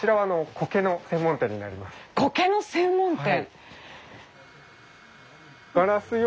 コケの専門店。